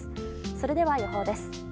それでは予報です。